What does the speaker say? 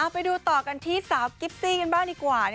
ไปดูต่อกันที่สาวกิฟซี่กันบ้างดีกว่า